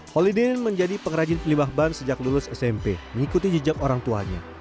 holydean menjadi pengrajin limba ban sejak lulus smp mengikuti jejak orang tuanya